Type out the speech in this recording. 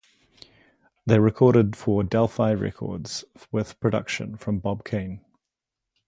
They recorded for Del-Fi records with production from Bob Keane.